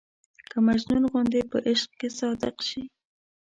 که مجنون غوندې په عشق کې صادق شي.